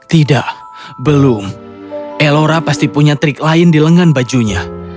tidak belum elora pasti punya trik lain di lengan bajunya